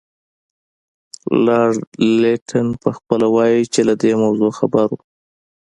لارډ لیټن پخپله وایي چې له دې موضوع خبر وو.